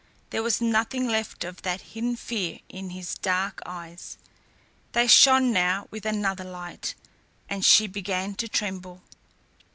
There was nothing left of that hidden fear in his dark eyes. They shone now with another light, and she began to tremble.